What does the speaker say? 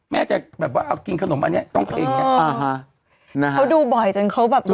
แม่จะแบบว่าเอากินขนมอันเนี้ยต้องเพลงเนี้ยอ่าฮะนะเขาดูบ่อยจนเขาแบบดู